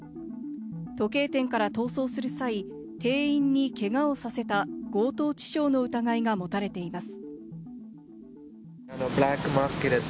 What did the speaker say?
時計店から逃走する際、店員にけがをさせた強盗致傷の疑いが持たれています。